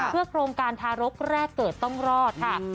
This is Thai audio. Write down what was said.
เพื่อโครงการทารกแรกเกิดต้องรอดค่ะ